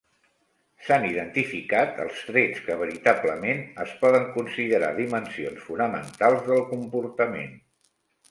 S'han identificar els trets que veritablement es poden considerar dimensions fonamentals del comportament.